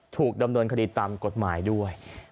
ถูกดำเนินคดีตามกฎหมายด้วย